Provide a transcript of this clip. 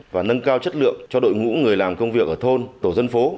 và nâng cao chất lượng cho đội ngũ người làm công việc ở thôn tổ dân phố